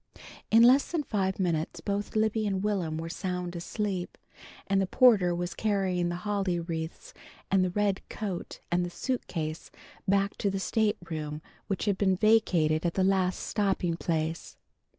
In less than five minutes both Libby and Will'm were sound asleep, and the porter was carrying the holly wreaths and the red coat and the suitcase back to the state room which had been vacated at the last stopping place.